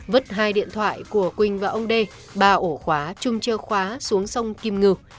vứt hai điện thoại của quỳnh và ông d ba ổ khóa chùm chìa khóa xuống sông kim ngư